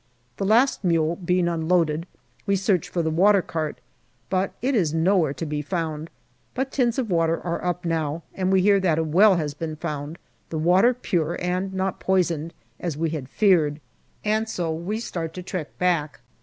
The last mule being unloaded, we search for the watercart, but it is nowhere to be found ; but tins of water are up now, and we hear that a well has been found, the water pure and not poisoned, as we had APRIL 59 feared. And so we start to trek back.